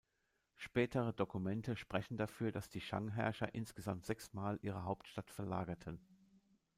Spätere Dokumente sprechen dafür, dass die Shang-Herrscher insgesamt sechsmal ihre Hauptstadt verlagerten.